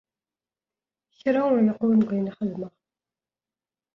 Kra ur yeqwim deg ayen i xedmeɣ.